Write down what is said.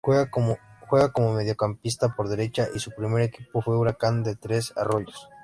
Juega como mediocampista por derecha y su primer equipo fue Huracán de Tres Arroyos.